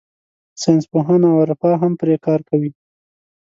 ساینسپوهان او عرفا هم پرې کار کوي.